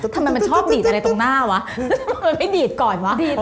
ทำไมมันชอบดีดอะไรตรงหน้าวะมันไม่ดีดก่อนวะดีด